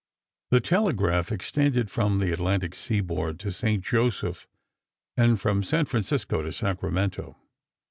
] The telegraph extended from the Atlantic seaboard to St. Joseph and from San Francisco to Sacramento.